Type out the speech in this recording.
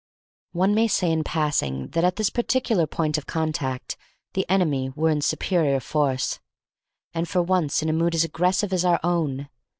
One may say in passing that, at this particular point of contact, the enemy were in superior force, and for once in a mood as aggressive as our own.